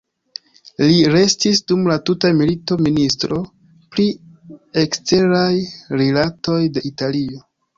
Li restis dum la tuta milito ministro pri eksteraj rilatoj de Italio.